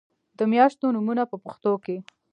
د میاشتو نومونه په پښتو کې